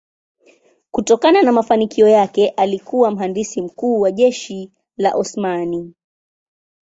Kutokana na mafanikio yake alikuwa mhandisi mkuu wa jeshi la Osmani.